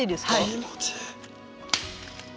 気持ちいい。